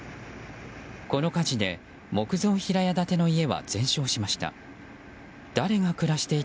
この火事で木造平屋建ての家は全焼しました。